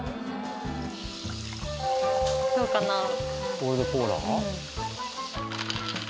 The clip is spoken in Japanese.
これでコーラ？